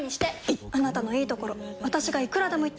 いっあなたのいいところ私がいくらでも言ってあげる！